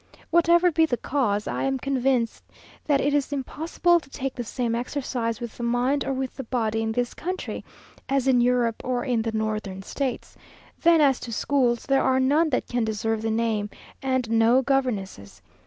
Whatever be the cause, I am convinced that it is impossible to take the same exercise with the mind or with the body in this country, as in Europe or in the northern states. Then as to schools, there are none that can deserve the name, and no governesses.